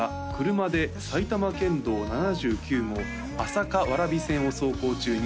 「車で埼玉県道７９号朝霞蕨線を走行中に」